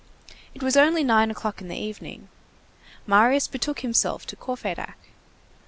It was only nine o'clock in the evening. Marius betook himself to Courfeyrac.